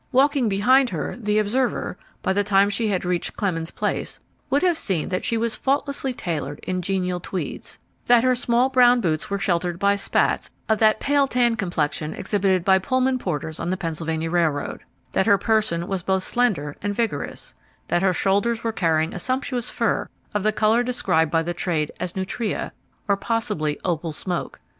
Walking behind her, the observer, by the time she had reached Clemens Place, would have seen that she was faultlessly tailored in genial tweeds; that her small brown boots were sheltered by spats of that pale tan complexion exhibited by Pullman porters on the Pennsylvania Railroad; that her person was both slender and vigorous; that her shoulders were carrying a sumptuous fur of the colour described by the trade as nutria, or possibly opal smoke.